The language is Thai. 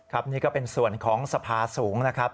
นี่ก็เป็นส่วนของสภาสูงนะครับ